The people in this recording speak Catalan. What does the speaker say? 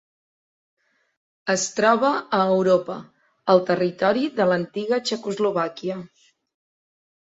Es troba a Europa: el territori de l'antiga Txecoslovàquia.